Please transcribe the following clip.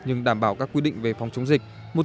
nhưng đảm bảo các quy định về phòng chống dịch